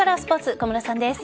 小室さんです。